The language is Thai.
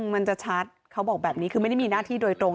มันจะชัดเขาบอกแบบนี้คือไม่ได้มีหน้าที่โดยตรง